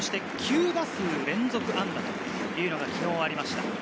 ９打数連続安打というのが昨日、ありました。